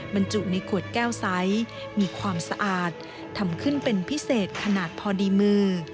บรรจุในขวดแก้วใสมีความสะอาดทำขึ้นเป็นพิเศษขนาดพอดีมือ